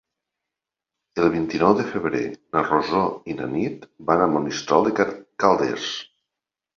El vint-i-nou de febrer na Rosó i na Nit van a Monistrol de Calders.